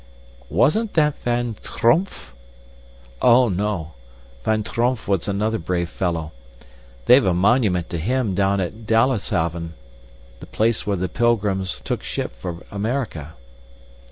"Wasn't that Van Tromp?" "Oh, no. Van Tromp was another brave fellow. They've a monument to him down at Delftshaven the place where the Pilgrims took ship for America."